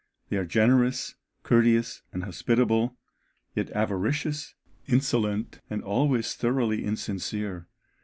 They are generous, courteous, and hospitable, yet avaricious, insolent, and always thoroughly insincere.